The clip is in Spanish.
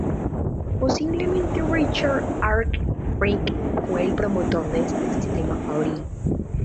Posiblemente Richard Arkwright fue el promotor de este sistema fabril.